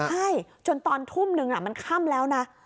ใช่จนตอนทุ่มนึงมันค่ำแล้วนะ